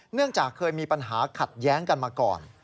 เนื่องจากเคยมีปัญหาขัดแย้งกันมาก่อน